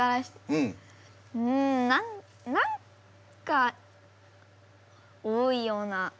うんな何か多いような。